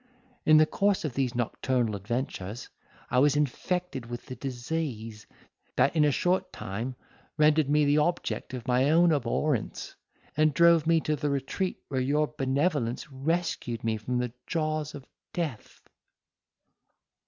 In the course of these nocturnal adventures, I was infected with the disease, that in a short time rendered me the object of my own abhorrence, and drove me to the retreat where your benevolence rescued me from the jaws of death.